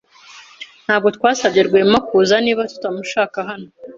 Ntabwo twasabye Rwema kuza niba tutamushaka hano.